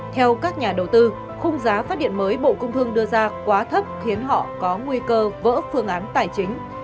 theo các nhà đầu tư khung giá phát điện mới bộ công thương đưa ra quá thấp khiến họ có nguy cơ vỡ phương án tài chính